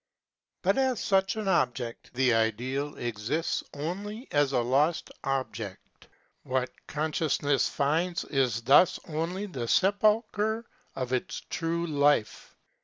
But as such an object the Ideal exists only as a lost object. What consciousness finds is thus only the sepulchre of its true life.